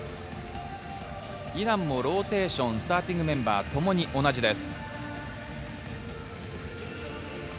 イランもローテーション、スタ―ティングメンバーともに同じです。